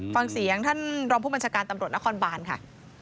ฟังเสียงท่านรองผู้บัญชาการตำรวจนครบานค่ะ